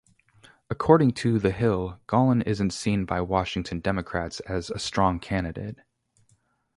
According to "The Hill", Gollin "isn't seen by Washington Democrats as a strong candidate.